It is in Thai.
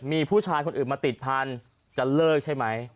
มีผู้ชายคนอื่นมาติดพันธุ์จะเลิกใช่ไหม